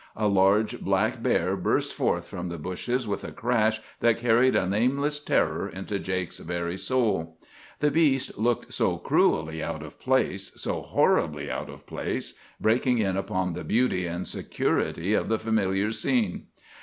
A large black bear burst forth from the bushes with a crash that carried a nameless terror into Jake's very soul. The beast looked so cruelly out of place, so horribly out of place, breaking in upon the beauty and security of the familiar scene.